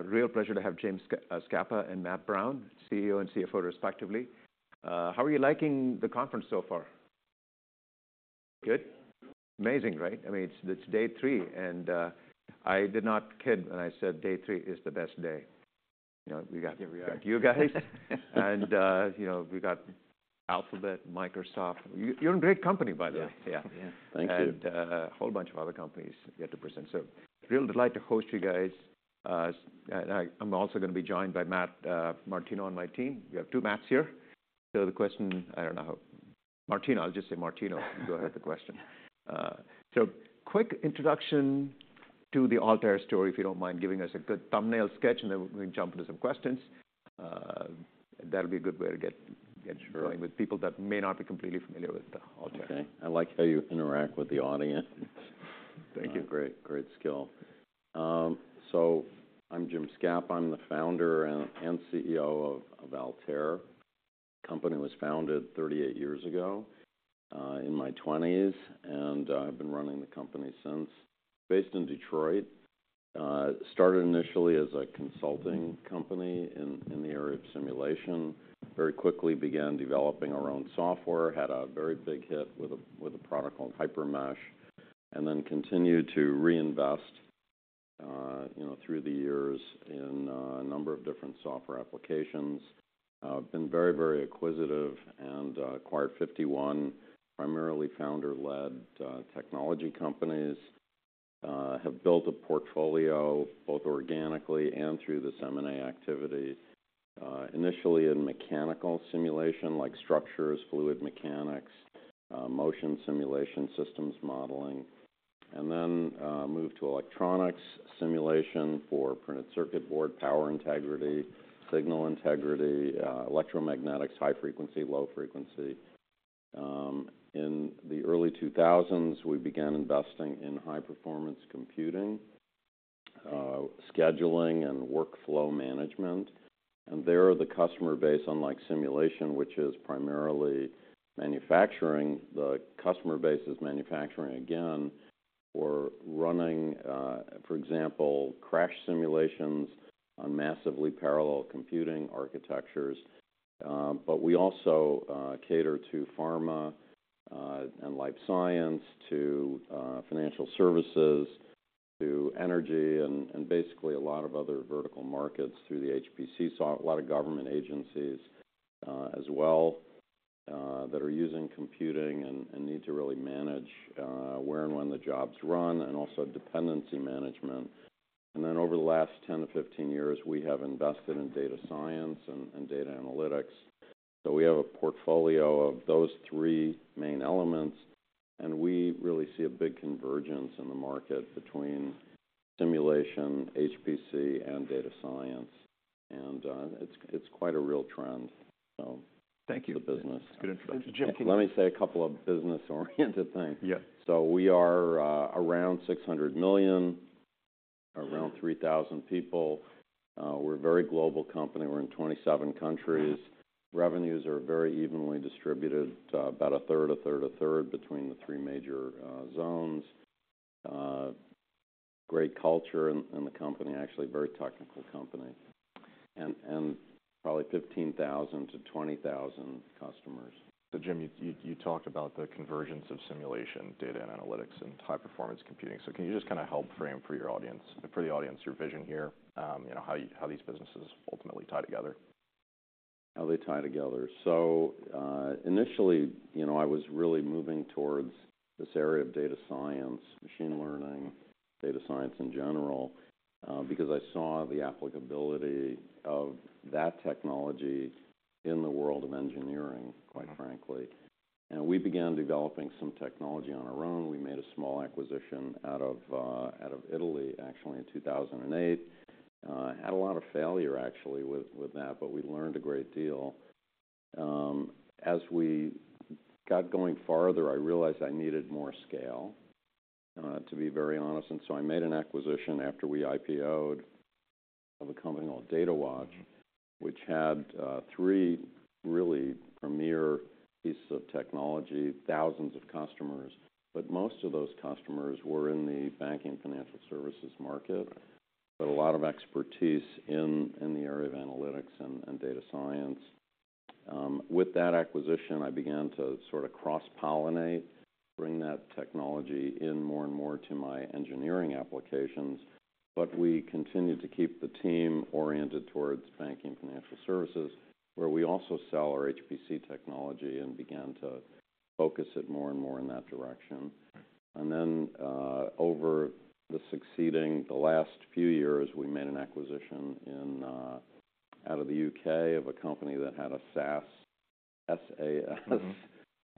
A real pleasure to have James Scapa and Matt Brown, CEO and CFO respectively. How are you liking the conference so far? Good. Amazing, right? I mean, it's day three, and I did not kid when I said day three is the best day. You know, we got- Here we are. you guys, and you know, we got Alphabet, Microsoft. You, you're in great company, by the way. Yeah. Yeah. Yeah. Thank you. A whole bunch of other companies yet to present. So, a real delight to host you guys. And I, I'm also gonna be joined by Matt Martino on my team. We have two Matts here. So the question... I don't know. Martino, I'll just say Martino, go ahead with the question. So, a quick introduction to the Altair story, if you don't mind giving us a good thumbnail sketch, and then we can jump into some questions. That'll be a good way to get— Sure Going with people that may not be completely familiar with the Altair. Okay. I like how you interact with the audience. Thank you. Great, great skill. So I'm Jim Scapa. I'm the founder and CEO of Altair. The company was founded 38 years ago, in my twenties, and I've been running the company since. Based in Detroit, started initially as a consulting company in the area of simulation. Very quickly began developing our own software, had a very big hit with a product called HyperMesh, and then continued to reinvest, you know, through the years in a number of different software applications. Have been very, very acquisitive and acquired 51, primarily founder-led, technology companies. Have built a portfolio, both organically and through this M&A activity, initially in mechanical simulation, like structures, fluid mechanics, motion simulation, systems modeling, and then moved to electronics simulation for printed circuit board, power integrity, signal integrity, electromagnetics, high frequency, low frequency. In the early 2000s, we began investing in high-performance computing, scheduling, and workflow management. And there, the customer base, unlike simulation, which is primarily manufacturing, the customer base is manufacturing again. We're running, for example, crash simulations on massively parallel computing architectures. But we also cater to pharma, and life science, to financial services, to energy, and, and basically a lot of other vertical markets through th e HPC. So a lot of government agencies, as well, that are using computing and need to really manage where and when the jobs run, and also dependency management. And then over the last 10-15 years, we have invested in data science and data analytics. So we have a portfolio of those three main elements, and we really see a big convergence in the market between simulation, HPC, and data science. And it's quite a real trend, so- Thank you... the business. Good introduction. Jim, can you- Let me say a couple of business-oriented things. Yeah. We are around $600 million, around 3,000 people. We're a very global company. We're in 27 countries. Revenues are very evenly distributed, about a third, a third, a third between the three major zones. Great culture in the company, actually a very technical company. And probably 15,000-20,000 customers. So Jim, you talked about the convergence of simulation, data and analytics, and high-performance computing. So can you just kind of help frame for your audience - for the audience, your vision here? You know, how these businesses ultimately tie together. How they tie together? So, initially, you know, I was really moving towards this area of data science, machine learning, data science in general, because I saw the applicability of that technology in the world of engineering- Mm-hmm... quite frankly. And we began developing some technology on our own. We made a small acquisition out of Italy, actually, in 2008. Had a lot of failure actually with that, but we learned a great deal. As we got going farther, I realized I needed more scale, to be very honest, and so I made an acquisition after we IPO'd, of a company called Datawatch, which had three really premier pieces of technology, thousands of customers, but most of those customers were in the banking and financial services market. Mm-hmm. But a lot of expertise in the area of analytics and data science. With that acquisition, I began to sort of cross-pollinate, bring that technology in more and more to my engineering applications. But we continued to keep the team oriented towards banking and financial services, where we also sell our HPC technology, and began to focus it more and more in that direction. And then, over the last few years, we made an acquisition out of the U.K., of a company that had a SAS, S-A-S-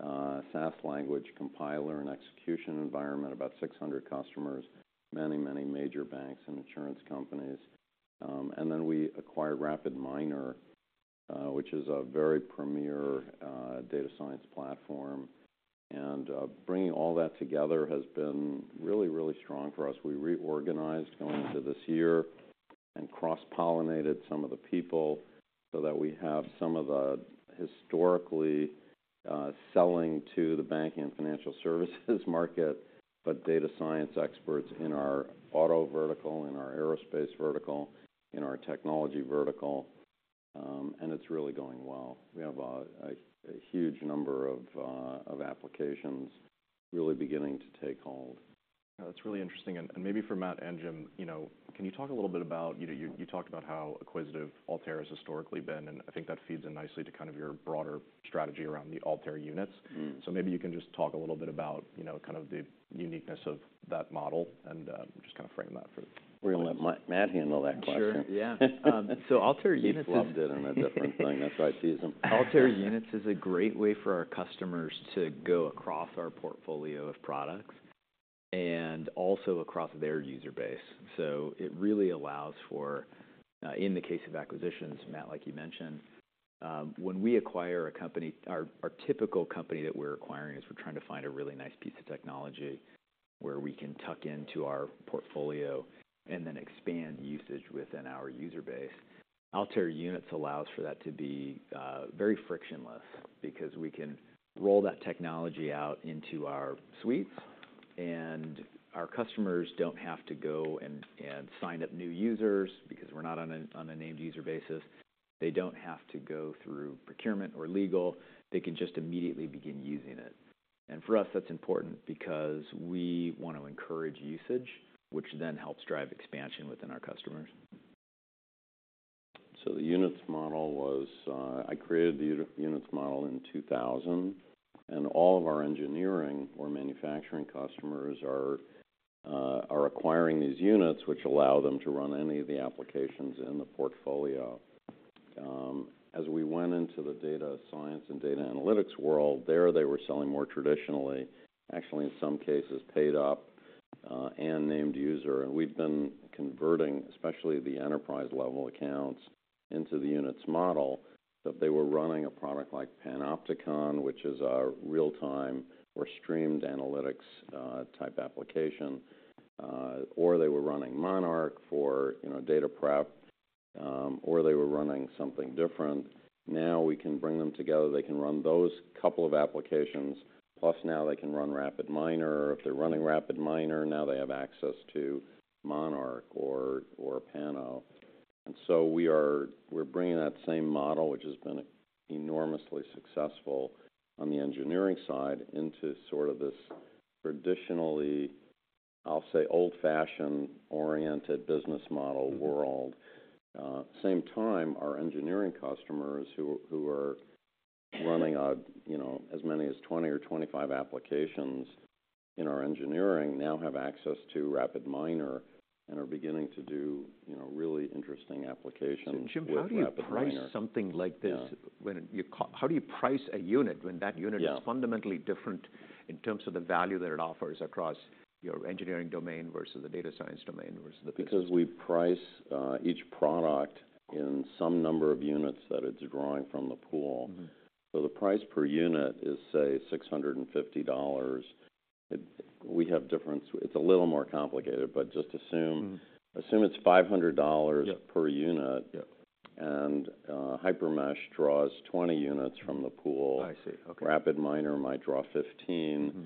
Mm-hmm... SAS Language Compiler and execution environment, about 600 customers, many, many major banks and insurance companies. And then we acquired RapidMiner, which is a very premier data science platform. And bringing all that together has been really, really strong for us. We reorganized going into this year and cross-pollinated some of the people... so that we have some of the historically selling to the banking and financial services market, but data science experts in our auto vertical, in our aerospace vertical, in our technology vertical, and it's really going well. We have a huge number of applications really beginning to take hold. That's really interesting. And maybe for Matt and Jim, you know, can you talk a little bit about. You know, you talked about how acquisitive Altair has historically been, and I think that feeds in nicely to kind of your broader strategy around the Altair Units. Mm. Maybe you can just talk a little bit about, you know, kind of the uniqueness of that model, and just kind of frame that for the- We're gonna let Matt handle that question. Sure, yeah. So Altair Units is- He flubbed it on a different thing. That's how I tease him. Altair Units is a great way for our customers to go across our portfolio of products and also across their user base. So it really allows for, in the case of acquisitions, Matt, like you mentioned, when we acquire a company, our, our typical company that we're acquiring is we're trying to find a really nice piece of technology where we can tuck into our portfolio and then expand usage within our user base. Altair Units allows for that to be, very frictionless because we can roll that technology out into our suites, and our customers don't have to go and, and sign up new users because we're not on a, on a named user basis. They don't have to go through procurement or legal. They can just immediately begin using it. For us, that's important because we want to encourage usage, which then helps drive expansion within our customers. So the units model was. I created the units model in 2000, and all of our engineering or manufacturing customers are acquiring these units, which allow them to run any of the applications in the portfolio. As we went into the data science and data analytics world, there they were selling more traditionally, actually, in some cases, paid up, and named user. And we've been converting, especially the enterprise-level accounts, into the units model, that they were running a product like Panopticon, which is a real-time or streamed analytics type application, or they were running Monarch for, you know, data prep, or they were running something different. Now, we can bring them together. They can run those couple of applications, plus now they can run RapidMiner, or if they're running RapidMiner, now they have access to Monarch or, or Pano. And so we're bringing that same model, which has been enormously successful on the engineering side, into sort of this traditionally, I'll say, old-fashioned oriented business model world. Mm-hmm. Same time, our engineering customers, who are running, you know, as many as 20 or 25 applications in our engineering, now have access to RapidMiner and are beginning to do, you know, really interesting applications- So Jim- -with RapidMiner... how do you price something like this- Yeah... How do you price a unit when that unit- Yeah is fundamentally different in terms of the value that it offers across your engineering domain versus the data science domain versus the Because we price, each product in some number of units that it's drawing from the pool. Mm-hmm. So the price per unit is, say, $650. It's a little more complicated, but just assume- Mm-hmm... assume it's $500- Yep... per unit. Yep. HyperMesh draws 20 units from the pool. I see. Okay. RapidMiner might draw 15. Mm-hmm.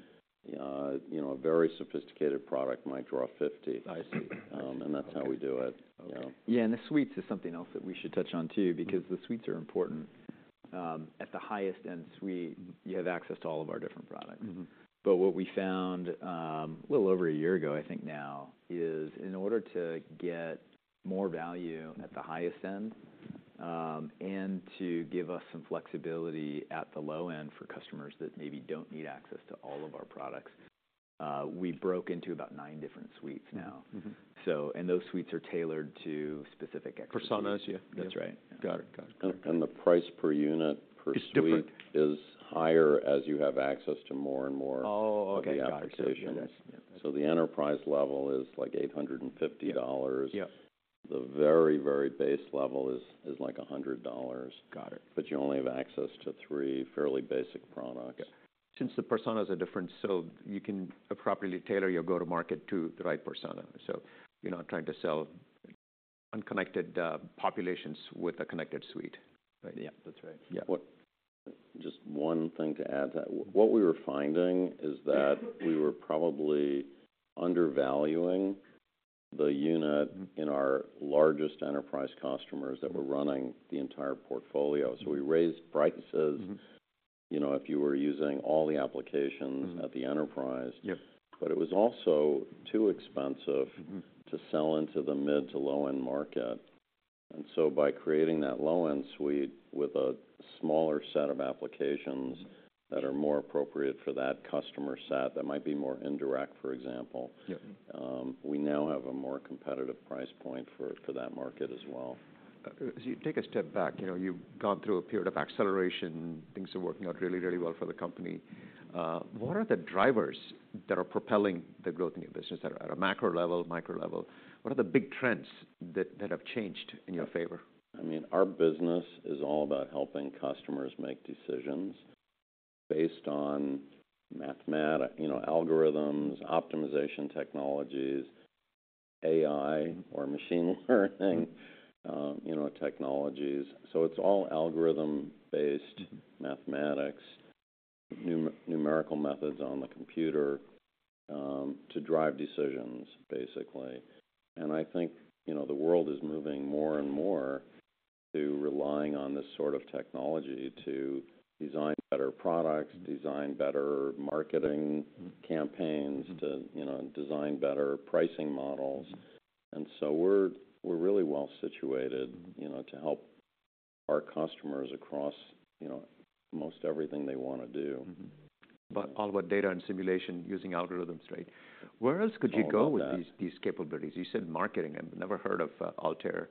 You know, a very sophisticated product might draw 50. I see. That's how we do it. Okay. Yeah. Yeah, and the suites is something else that we should touch on, too- Mm... because the suites are important. At the highest-end suite, you have access to all of our different products. Mm-hmm. But what we found, a little over a year ago, I think now, is in order to get more value at the highest end, and to give us some flexibility at the low end for customers that maybe don't need access to all of our products, we broke into about nine different suites now. Mm-hmm. Those suites are tailored to specific exercises. Personas, yeah. That's right. Got it. Got it. the price per unit per suite- It's different... is higher as you have access to more and more- Oh, okay... of the applications. Got it. Yeah. The enterprise level is, like, $850. Yep. The very, very base level is, like, $100. Got it. But you only have access to three fairly basic products. Okay. Since the personas are different, so you can appropriately tailor your go-to-market to the right persona. So you're not trying to sell unconnected, populations with a connected suite, right? Yeah, that's right. Yeah. What-- Just one thing to add to that. What we were finding is that we were probably undervaluing the unit- Mm... in our largest enterprise customers- Mm that were running the entire portfolio. Mm-hmm. We raised prices. Mm-hmm. You know, if you were using all the applications- Mm-hmm... at the enterprise. Yep. But it was also too expensive. Mm-hmm... to sell into the mid- to low-end market. So by creating that low-end suite with a smaller set of applications- Mm-hmm... that are more appropriate for that customer set, that might be more indirect, for example- Yep... we now have a more competitive price point for, for that market as well. As you take a step back, you know, you've gone through a period of acceleration. Things are working out really, really well for the company. What are the drivers that are propelling the growth in your business? At a macro level, micro level, what are the big trends that have changed in your favor? I mean, our business is all about helping customers make decisions based on mathematics, you know, algorithms, optimization technologies.... AI or machine learning, you know, technologies. So it's all algorithm-based mathematics, numerical methods on the computer, to drive decisions, basically. And I think, you know, the world is moving more and more to relying on this sort of technology to design better products, design better marketing- Mm-hmm. campaigns to, you know, design better pricing models. And so we're, we're really well situated- Mm-hmm. you know, to help our customers across, you know, most everything they wanna do. Mm-hmm. But all about data and simulation using algorithms, right? Where else could you go- All about that. - with these, these capabilities? You said marketing. I've never heard of Altair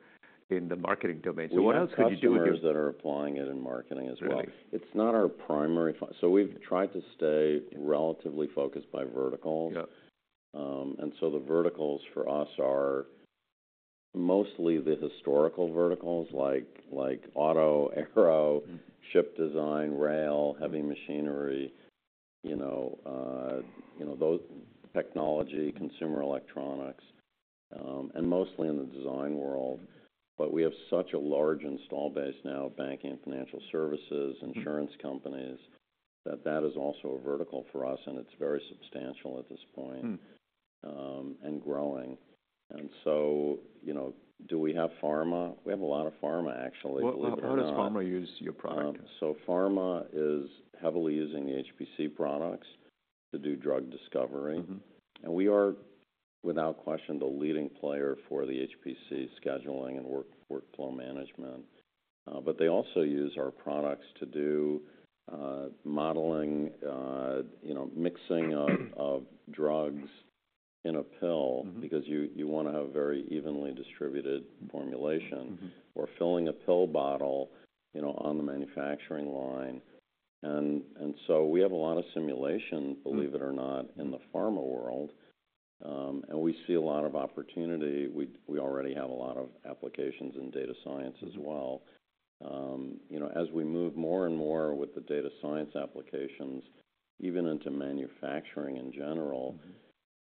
in the marketing domain. So what else could you do with your- We have customers that are applying it in marketing as well. Really? It's not our primary focus. So we've tried to stay relatively focused by verticals. Yep. So the verticals for us are mostly the historical verticals, like auto, aero- Mm-hmm. - ship design, rail, heavy machinery, you know, you know, those technology, consumer electronics, and mostly in the design world. But we have such a large install base now, banking and financial services. Mm-hmm. insurance companies, that that is also a vertical for us, and it's very substantial at this point. Hmm... and growing. And so, you know, do we have pharma? We have a lot of pharma, actually, believe it or not. Well, how does pharma use your product? Pharma is heavily using the HPC products to do drug discovery. Mm-hmm. We are, without question, the leading player for the HPC scheduling and workflow management. But they also use our products to do modeling, you know, mixing of drugs in a pill- Mm-hmm because you wanna have a very evenly distributed formulation. Mm-hmm. Or filling a pill bottle, you know, on the manufacturing line. And so we have a lot of simulation- Hmm Believe it or not, in the pharma world. We see a lot of opportunity. We already have a lot of applications in data science as well. Mm-hmm. You know, as we move more and more with the data science applications, even into manufacturing in general-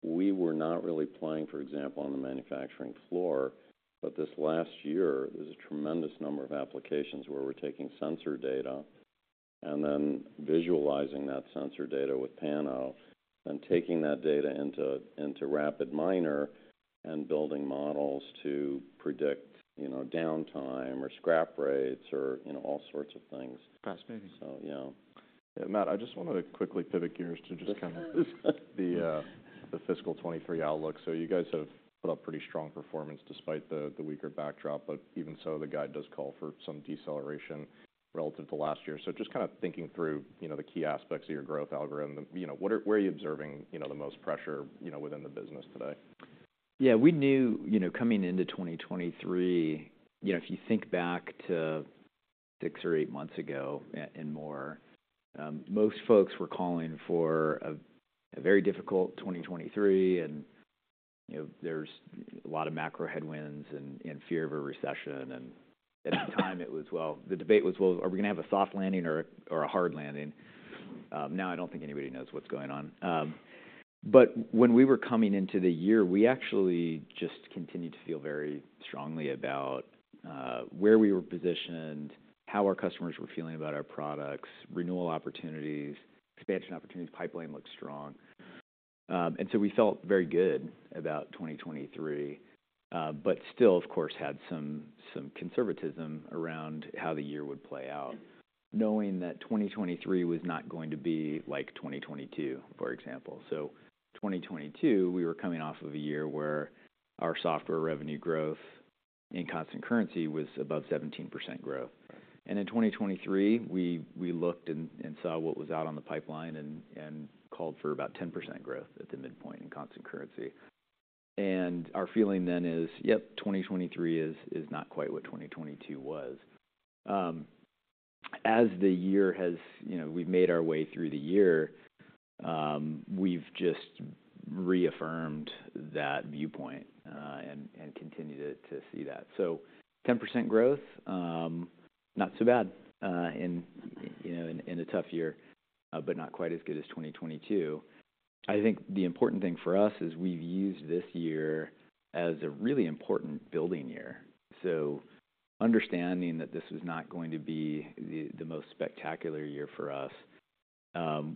Mm-hmm We were not really playing, for example, on the manufacturing floor. But this last year, there's a tremendous number of applications where we're taking sensor data and then visualizing that sensor data with Pano, and taking that data into RapidMiner and building models to predict, you know, downtime or scrap rates or, you know, all sorts of things. Fascinating. So yeah. Matt, I just wanted to quickly pivot gears to the fiscal 2023 outlook. So you guys have put up pretty strong performance despite the weaker backdrop. But even so, the guide does call for some deceleration relative to last year. So just kind of thinking through, you know, the key aspects of your growth algorithm. You know, where are you observing, you know, the most pressure, you know, within the business today? Yeah, we knew, you know, coming into 2023, you know, if you think back to six or eight months ago and more, most folks were calling for a very difficult 2023. And, you know, there's a lot of macro headwinds and fear of a recession. And at that time, it was, well... The debate was, "Well, are we gonna have a soft landing or a hard landing?" Now I don't think anybody knows what's going on. But when we were coming into the year, we actually just continued to feel very strongly about where we were positioned, how our customers were feeling about our products, renewal opportunities, expansion opportunities. Pipeline looked strong. And so we felt very good about 2023, but still, of course, had some conservatism around how the year would play out, knowing that 2023 was not going to be like 2022, for example. So 2022, we were coming off of a year where our software revenue growth in constant currency was above 17% growth. Right. In 2023, we looked and saw what was out on the pipeline and called for about 10% growth at the midpoint in constant currency. Our feeling then is, yep, 2023 is not quite what 2022 was. As the year has... You know, we've made our way through the year, we've just reaffirmed that viewpoint and continued to see that. Ten percent growth, not so bad, in, you know, in a tough year, but not quite as good as 2022. I think the important thing for us is we've used this year as a really important building year. Understanding that this was not going to be the most spectacular year for us,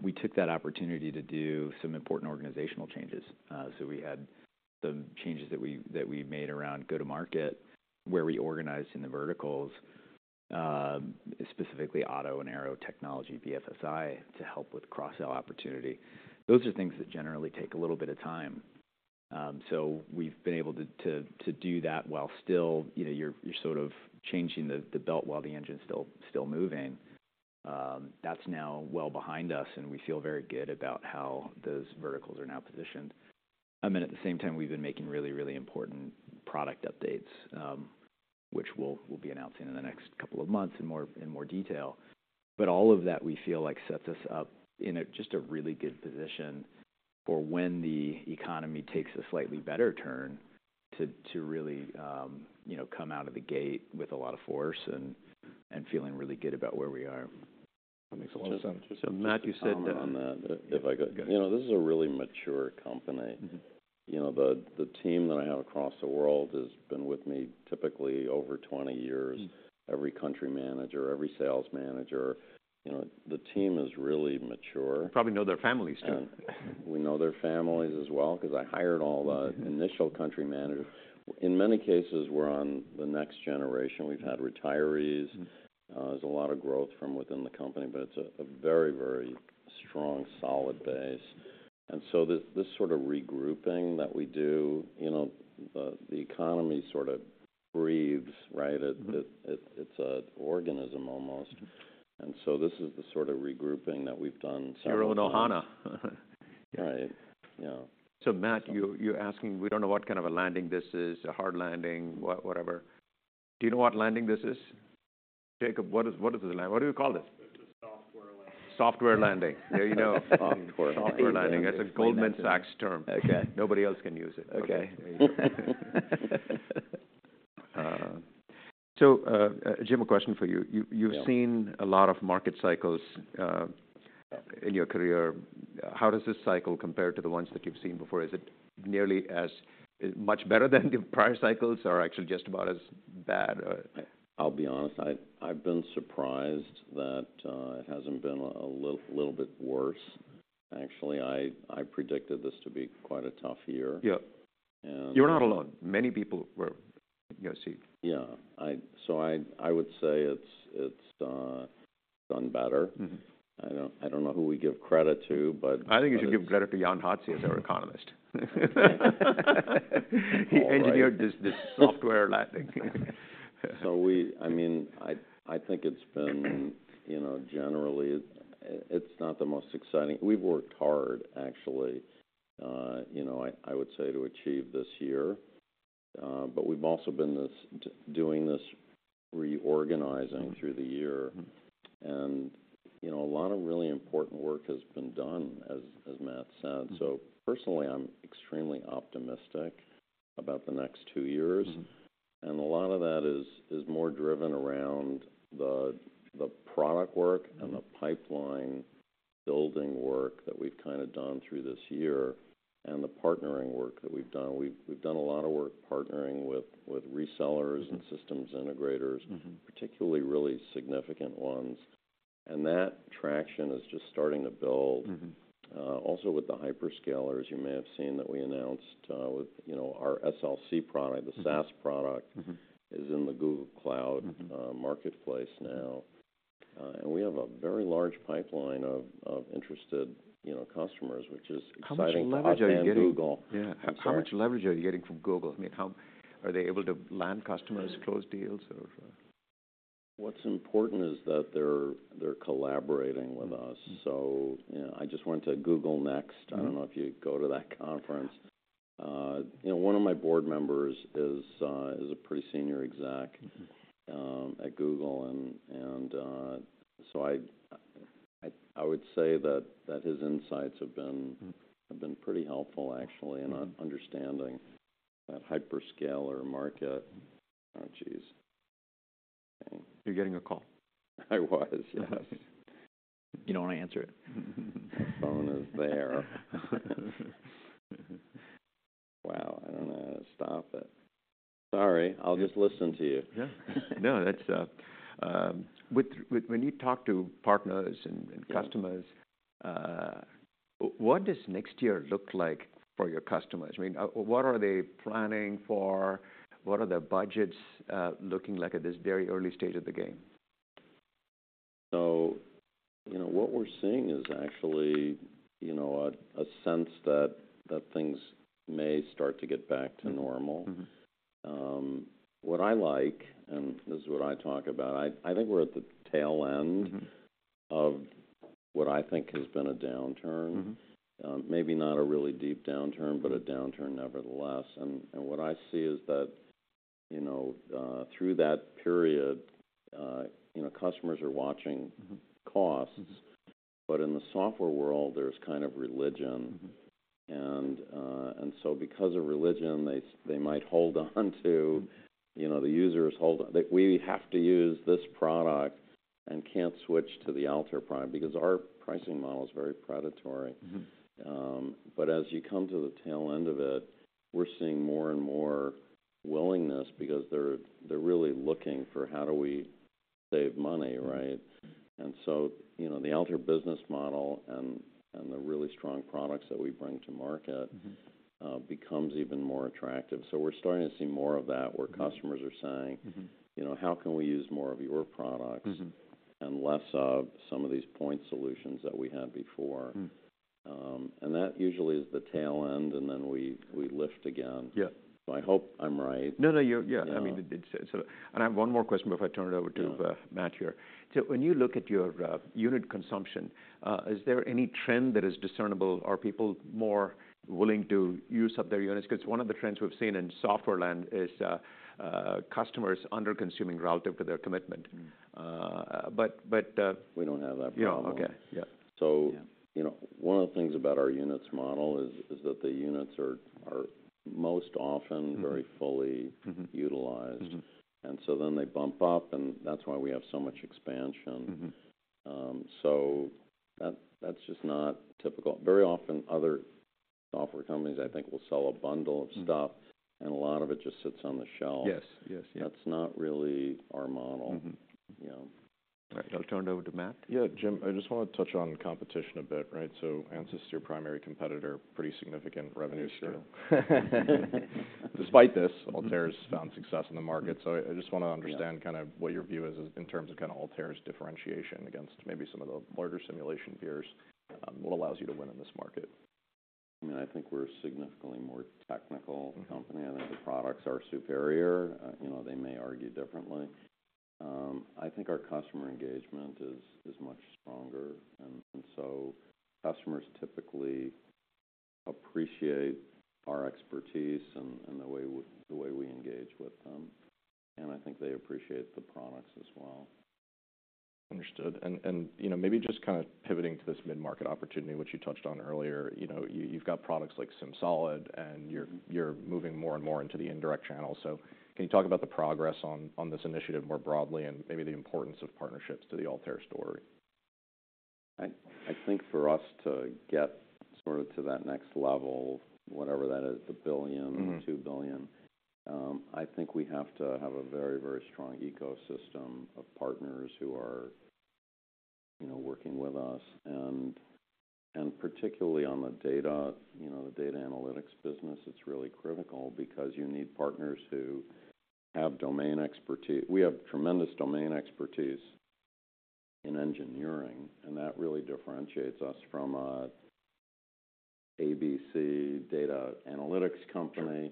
we took that opportunity to do some important organizational changes. So we had some changes that we made around go-to-market, where we organized in the verticals, specifically auto and aero technology, BFSI, to help with cross-sell opportunity. Those are things that generally take a little bit of time. So we've been able to do that while still, you know, you're sort of changing the belt while the engine's still moving. That's now well behind us, and we feel very good about how those verticals are now positioned. And then at the same time, we've been making really, really important product updates, which we'll be announcing in the next couple of months in more detail. But all of that, we feel like, sets us up in just a really good position for when the economy takes a slightly better turn to really, you know, come out of the gate with a lot of force and feeling really good about where we are.... So Matt, you said, On that, if I could- Go ahead. You know, this is a really mature company. Mm-hmm. You know, the team that I have across the world has been with me typically over 20 years. Mm. Every country manager, every sales manager, you know, the team is really mature. Probably know their families, too. We know their families as well, 'cause I hired all the- Mm-hmm... initial country managers. In many cases, we're on the next generation. We've had retirees. Mm-hmm. There's a lot of growth from within the company, but it's a very, very strong, solid base. And so this sort of regrouping that we do, you know, the economy sort of breathes, right? Mm-hmm. It's an organism almost. Mm-hmm. This is the sort of regrouping that we've done several times. Your own ohana. Right. Yeah. So Matt, you're asking, we don't know what kind of a landing this is, a hard landing, whatever. Do you know what landing this is? Jacob, what is the land... What do you call this? It's a Software Landing. Software Landing. There you go. Software landing. Software Landing. That's a Goldman Sachs term. Okay. Nobody else can use it. Okay. So, Jim, a question for you. Yeah... you've seen a lot of market cycles in your career. How does this cycle compare to the ones that you've seen before? Is it nearly as much better than the prior cycles, or actually just about as bad, or? I'll be honest, I've been surprised that it hasn't been a little bit worse. Actually, I predicted this to be quite a tough year. Yeah. And- You're not alone. Many people were... Yeah, see. Yeah. So I would say it's done better. Mm-hmm. I don't know who we give credit to, but- I think you should give credit to Jan Hatzius, our economist. All right. He engineered this, this Software Landing. So, I mean, I think it's been... You know, generally, it's not the most exciting. We've worked hard, actually, you know, I would say, to achieve this year. But we've also been doing this reorganizing- Mm-hmm... through the year. Mm-hmm. You know, a lot of really important work has been done, as, as Matt said. Mm-hmm. So personally, I'm extremely optimistic about the next two years. Mm-hmm. And a lot of that is more driven around the product work- Mm-hmm... and the pipeline building work that we've kind of done through this year, and the partnering work that we've done. We've done a lot of work partnering with resellers- Mm-hmm... and systems integrators- Mm-hmm... particularly really significant ones, and that traction is just starting to build. Mm-hmm. Also with the hyperscalers, you may have seen that we announced with, you know, our SLC product- Mm-hmm... the SaaS product- Mm-hmm... is in the Google Cloud- Mm-hmm... marketplace now. And we have a very large pipeline of interested, you know, customers, which is exciting- How much leverage are you getting? And Google- Yeah. I'm sorry? How much leverage are you getting from Google? I mean, how... Are they able to land customers, close deals, or? What's important is that they're collaborating with us. Mm-hmm. You know, I just went to Google Next. Mm-hmm. I don't know if you go to that conference. You know, one of my board members is a pretty senior exec- Mm-hmm... at Google. And so I would say that his insights have been- Mm... have been pretty helpful actually- Mm-hmm... in understanding that hyperscaler market. Oh, geez. Okay. You're getting a call. I was, yes. You don't wanna answer it? The phone is there. Wow, I don't know how to stop it. Sorry, I'll just listen to you. Yeah. No, that's, with - when you talk to partners and customers- Yeah What does next year look like for your customers? I mean, what are they planning for? What are their budgets looking like at this very early stage of the game? So, you know, what we're seeing is actually, you know, a sense that things may start to get back to normal. Mm-hmm. Mm-hmm. What I like, and this is what I talk about, I think we're at the tail end- Mm-hmm... of what I think has been a downturn. Mm-hmm. Maybe not a really deep downturn- Mm... but a downturn nevertheless. And what I see is that, you know, through that period, you know, customers are watching- Mm-hmm... costs. Mm-hmm. But in the software world, there's kind of religion. Mm-hmm. And so because of religion, they might hold on to - Mm... you know, the users hold... That we have to use this product and can't switch to the Altair product because our pricing model is very predatory. Mm-hmm. But as you come to the tail end of it, we're seeing more and more willingness, because they're really looking for how do we save money, right? Mm-hmm. And so, you know, the Altair business model and the really strong products that we bring to market- Mm-hmm... becomes even more attractive. So we're starting to see more of that, where- Mm-hmm... customers are saying: Mm-hmm. You know, how can we use more of your products- Mm-hmm... and less of some of these point solutions that we had before? Mm. That usually is the tail end, and then we lift again. Yeah. I hope I'm right. No, no, you're... Yeah. Yeah. I mean, it's... And I have one more question before I turn it over to- Yeah... Matt here. So when you look at your unit consumption, is there any trend that is discernible? Are people more willing to use up their units? 'Cause one of the trends we've seen in software land is customers underconsuming relative to their commitment. Mm. But We don't have that problem. Yeah, okay. Yeah. So- Yeah... you know, one of the things about our units model is that the units are most often- Mm-hmm... very fully Mm-hmm... utilized. Mm-hmm. And so then they bump up, and that's why we have so much expansion. Mm-hmm. So, that's just not typical. Very often, other software companies, I think, will sell a bundle of stuff- Mm-hmm. and a lot of it just sits on the shelf. Yes. Yes, yeah. That's not really our model. Mm-hmm. You know? All right. I'll turn it over to Matt. Yeah, Jim, I just want to touch on competition a bit, right? So Ansys, your primary competitor, pretty significant revenue share. Despite this, Altair's found success in the market. So I, I just wanna understand- Yeah Kind of what your view is, is in terms of kinda Altair's differentiation against maybe some of the larger simulation peers, what allows you to win in this market? I mean, I think we're a significantly more technical company. Mm-hmm. I think the products are superior. You know, they may argue differently. I think our customer engagement is, is much stronger, and so customers typically appreciate our expertise and, and the way we, the way we engage with them, and I think they appreciate the products as well. Understood. And, you know, maybe just kind of pivoting to this mid-market opportunity, which you touched on earlier. You know, you've got products like SimSolid, and you're moving more and more into the indirect channel. So can you talk about the progress on this initiative more broadly and maybe the importance of partnerships to the Altair story? I think for us to get sort of to that next level, whatever that is, a billion- Mm-hmm... $2 billion, I think we have to have a very, very strong ecosystem of partners who are, you know, working with us. And, and particularly on the data, you know, the data analytics business, it's really critical because you need partners who have domain expertise. We have tremendous domain expertise in engineering, and that really differentiates us from a ABC data analytics company. Sure.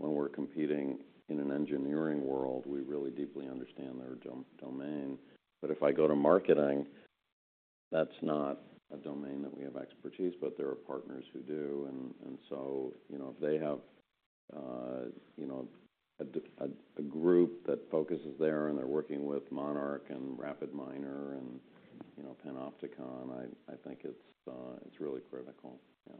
When we're competing in an engineering world, we really deeply understand their domain. But if I go to marketing, that's not a domain that we have expertise, but there are partners who do. And so, you know, if they have a group that focuses there, and they're working with Monarch and RapidMiner and, you know, Panopticon, I think it's really critical. Yeah.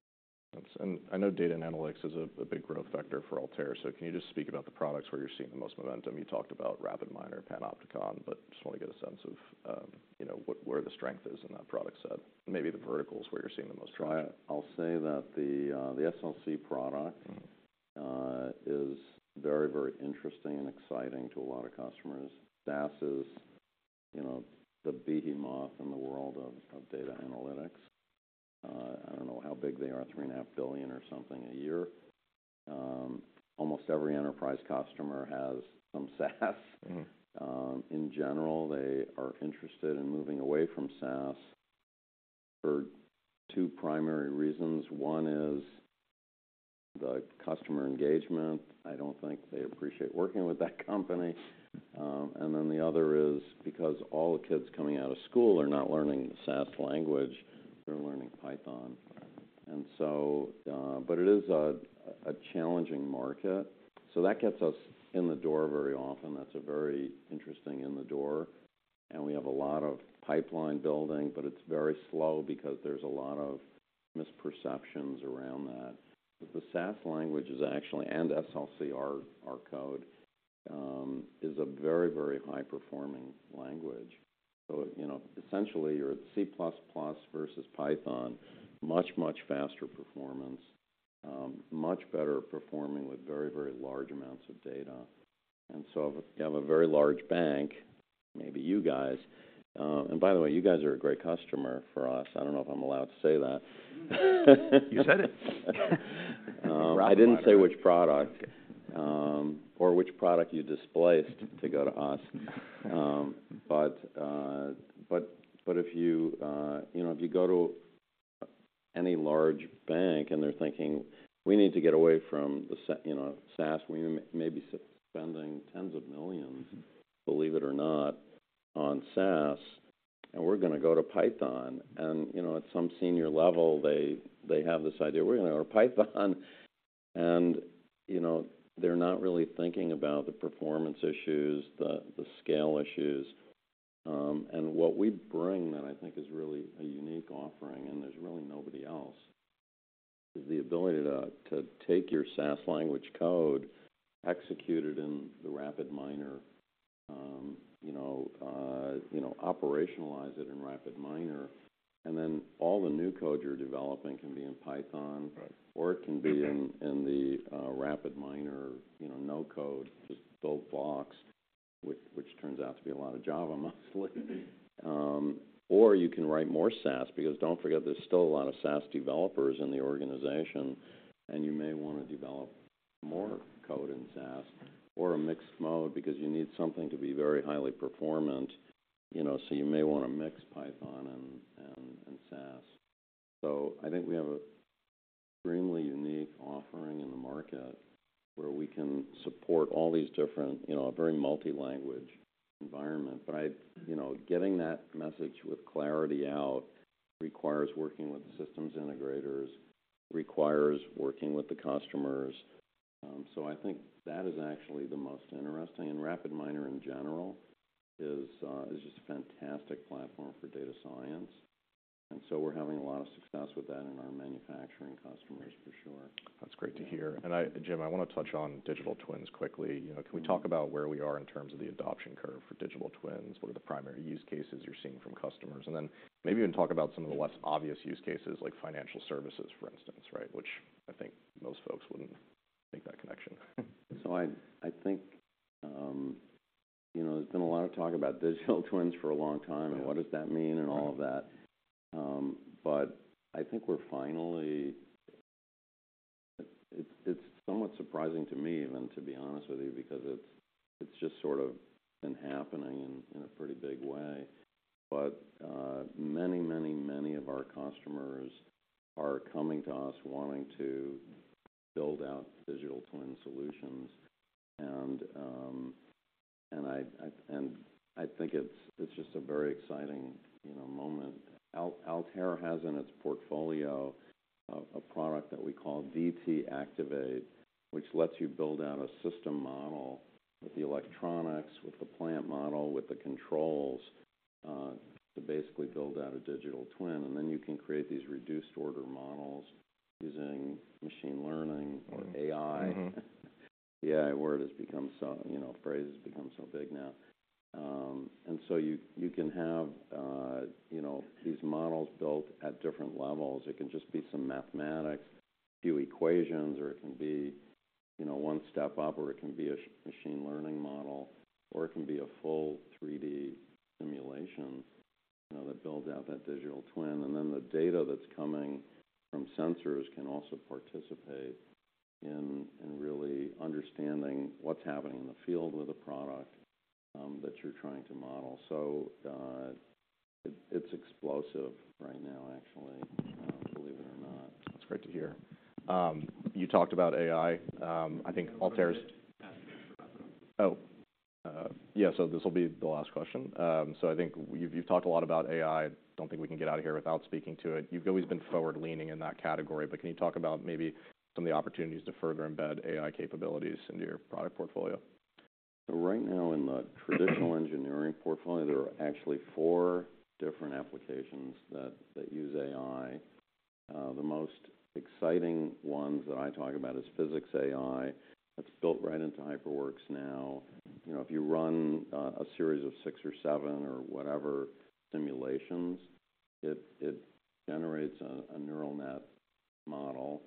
Oops. I know data and analytics is a big growth vector for Altair, so can you just speak about the products where you're seeing the most momentum? You talked about RapidMiner, Panopticon, but just want to get a sense of, you know, what... where the strength is in that product set, maybe the verticals where you're seeing the most strength. I'll say that the SLC product- Mm-hmm... is very, very interesting and exciting to a lot of customers. SAS is, you know, the behemoth in the world of, of data analytics. I don't know how big they are, $3.5 billion or something a year. Almost every enterprise customer has some SAS. Mm-hmm. In general, they are interested in moving away from SAS for two primary reasons. One is the customer engagement. I don't think they appreciate working with that company. Then the other is because all the kids coming out of school are not learning SAS language, they're learning Python. It is a challenging market, so that gets us in the door very often. That's a very interesting in the door, and we have a lot of pipeline building, but it's very slow because there's a lot of misperceptions around that. The SAS language is actually, and SLC, our code, is a very, very high-performing language. You know, essentially, you're at C++ versus Python, much, much faster performance, much better performing with very, very large amounts of data. And so if you have a very large bank, maybe you guys. And by the way, you guys are a great customer for us. I don't know if I'm allowed to say that. You said it! Um- I didn't say which product, or which product you displaced to go to us. But if you, you know, if you go to any large bank, and they're thinking, "We need to get away from the, you know, SAS. We may be spending $10s of millions, believe it or not, on SAS, and we're gonna go to Python." And, you know, at some senior level, they have this idea, "We're gonna learn Python," and, you know, they're not really thinking about the performance issues, the scale issues. And what we bring that I think is really a unique offering, and there's really nobody else, is the ability to take your SAS language code, execute it in the RapidMiner, you know, you know, operationalize it in RapidMiner, and then all the new code you're developing can be in Python. Right... or it can be- Mm-hmm... in the RapidMiner, you know, no code, just build blocks, which turns out to be a lot of Java, mostly. Mm-hmm. or you can write more SAS, because don't forget, there's still a lot of SAS developers in the organization, and you may want to develop more code in SAS or a mixed mode because you need something to be very highly performant. You know, so you may want to mix Python and SAS. So I think we have an extremely unique offering in the market, where we can support all these different, you know, a very multi-language environment. But You know, getting that message with clarity out requires working with the systems integrators, requires working with the customers, so I think that is actually the most interesting. And RapidMiner, in general, is just a fantastic platform for data science, and so we're having a lot of success with that in our manufacturing customers, for sure.... That's great to hear. And I, Jim, I wanna touch on digital twins quickly. You know, can we talk about where we are in terms of the adoption curve for digital twins? What are the primary use cases you're seeing from customers? And then maybe even talk about some of the less obvious use cases, like financial services, for instance, right? Which I think most folks wouldn't make that connection. So I think, you know, there's been a lot of talk about digital twins for a long time- Yeah... and what does that mean and all of that? Right. But I think we're finally, it's somewhat surprising to me, even, to be honest with you, because it's just sort of been happening in a pretty big way. But many, many, many of our customers are coming to us wanting to build out digital twin solutions, and I think it's just a very exciting, you know, moment. Altair has in its portfolio a product that we call DT Activate, which lets you build out a system model with the electronics, with the plant model, with the controls, to basically build out a digital twin. And then you can create these reduced order models using machine learning- Mm-hmm... or AI. Mm-hmm. The AI word has become so, you know, phrase has become so big now. And so you, you can have, you know, these models built at different levels. It can just be some mathematics, a few equations, or it can be, you know, one step up, or it can be a machine learning model, or it can be a full 3D simulation, you know, that builds out that digital twin. And then the data that's coming from sensors can also participate in, in really understanding what's happening in the field with the product, that you're trying to model. So, it, it's explosive right now, actually, believe it or not. That's great to hear. You talked about AI. I think Altair's- Ask the next question. Yeah, so this will be the last question. So I think you've talked a lot about AI. Don't think we can get out of here without speaking to it. You've always been forward-leaning in that category, but can you talk about maybe some of the opportunities to further embed AI capabilities into your product portfolio? So right now, in the traditional engineering portfolio, there are actually four different applications that use AI. The most exciting ones that I talk about is PhysicsAI. It's built right into HyperWorks now. You know, if you run a series of six or seven or whatever simulations, it generates a neural net model.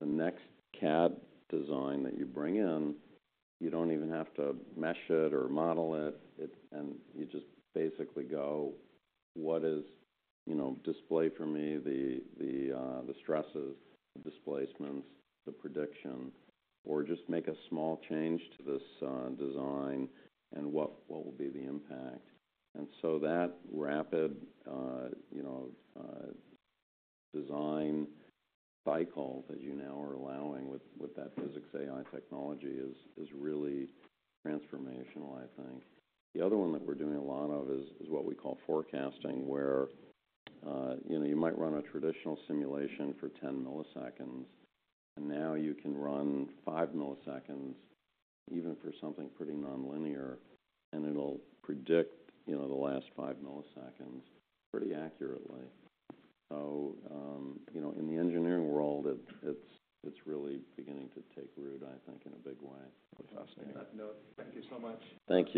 The next CAD design that you bring in, you don't even have to mesh it or model it, and you just basically go: "What is, you know, display for me the stresses, the displacements, the prediction, or just make a small change to this design, and what will be the impact?" And so that rapid, you know, design cycle that you now are allowing with that PhysicsAI technology is really transformational, I think. The other one that we're doing a lot of is what we call forecasting, where, you know, you might run a traditional simulation for 10 milliseconds, and now you can run 5 milliseconds, even for something pretty nonlinear, and it'll predict, you know, the last 5 milliseconds pretty accurately. So, you know, in the engineering world, it's really beginning to take root, I think, in a big way. That's fascinating. On that note, thank you so much. Thank you.